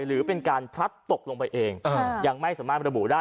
หรือเป็นการพลัดตกลงไปเองยังไม่สามารถระบุได้